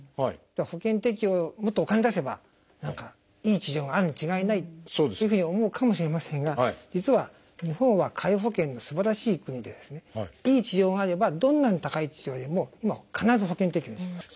保険適用もっとお金出せば何かいい治療があるに違いないっていうふうに思うかもしれませんが実は日本は皆保険のすばらしい国でいい治療があればどんなに高い治療でも必ず保険適用にします。